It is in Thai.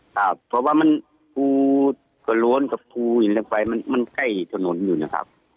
ครับเพราะว่ามันภูกระโล้นกับภูหินลงไปมันใกล้ถนนอยู่นะครับ